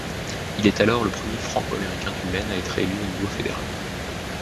Il est alors le premier franco-américain du Maine à être élu au niveau fédéral.